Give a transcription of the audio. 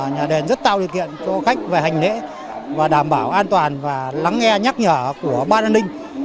nhà đền rất tạo điều kiện cho khách về hành lễ và đảm bảo an toàn và lắng nghe nhắc nhở của ban an ninh